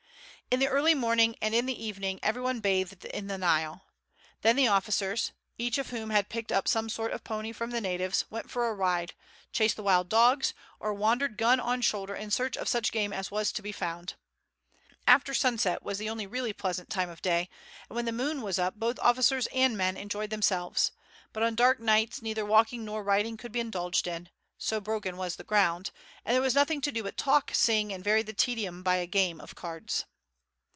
In the early morning and in the evening every one bathed in the Nile. Then the officers, each of whom had picked up some sort of pony from the natives, went for a ride, chased the wild dogs, or wandered gun on shoulder in search of such game as was to be found. After sunset was the only really pleasant time of day, and when the moon was up both officers and men enjoyed themselves; but on dark nights neither walking nor riding could be indulged in, so broken was the ground, and there was nothing to do but to talk, sing, and vary the tedium by a game of cards.